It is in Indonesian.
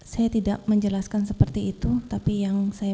saya tidak menjelaskan seperti itu tapi yang saya